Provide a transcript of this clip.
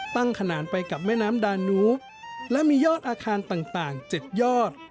ขนานไปกับแม่น้ำดานูฟและมียอดอาคารต่าง๗ยอด